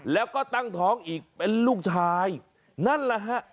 แล้วก็ตั้งท้องอีกเป็นลูกชายนั่นแหละฮะ